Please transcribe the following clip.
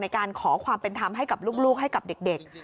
การขอความเป็นธรรมให้กับลูกให้กับเด็ก